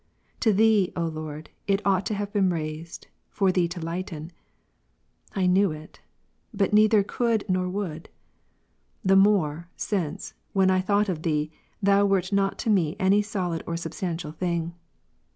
To Thee, O Lord, it ought to have been raised, for Thee to lighten ; I knew it ; but neither could nor would ; the more, since, when I thought of Thee, Thou wert not to me any solid or substantial thing.